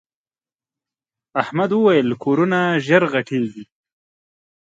احمد وويل: کورونه ژر غټېږي.